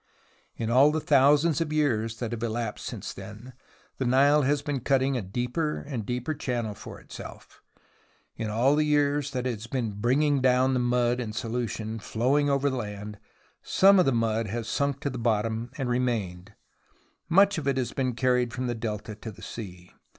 In all the thousands of years that have elapsed since then, the Nile has been cutting a deeper and deeper channel for itself. In all the years that it has been bringing down the mud in solution, flowing over the land, some of the mud has sunk to the bottom and remained ; much of it has been carried from the Delta to the sea.